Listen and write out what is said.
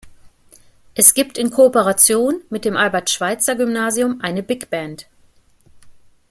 Es gibt in Kooperation mit dem Albert-Schweitzer-Gymnasium eine Big Band.